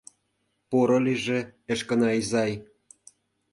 Поро лийже, Эшкына изай.